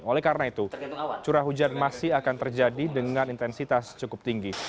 oleh karena itu curah hujan masih akan terjadi dengan intensitas cukup tinggi